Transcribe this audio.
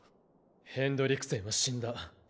ヘンドリクセンは死んだ。